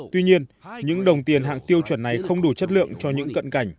tuy nhiên những đồng tiền hạng tiêu chuẩn này không đủ chất lượng cho những cận cảnh